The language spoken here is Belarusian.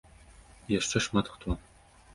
І яшчэ шмат хто.